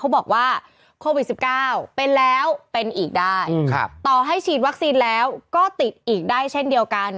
บอกว่าโควิด๑๙เป็นแล้วเป็นอีกได้ต่อให้ฉีดวัคซีนแล้วก็ติดอีกได้เช่นเดียวกัน